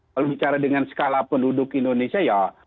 kalau bicara dengan skala penduduk indonesia ya